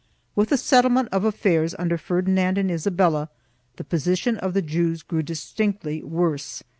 4 With the settlement of affairs under Ferdinand and Isabella the position of the Jews grew distinctly worse.